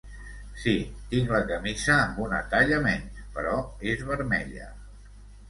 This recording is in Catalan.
Sí, tinc la camisa amb una talla menys, però és vermella.